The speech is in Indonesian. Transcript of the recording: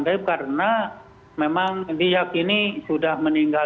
tapi karena memang diyakini sudah meninggal